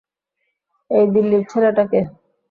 এই দিল্লির ছেলেটা কে?